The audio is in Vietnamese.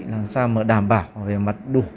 làm sao mà đảm bảo về mặt đủ